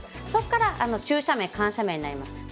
そこから中斜面緩斜面になります。